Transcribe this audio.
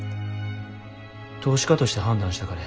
投資家として判断したからや。